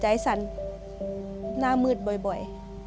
สั่นหน้ามืดบ่อย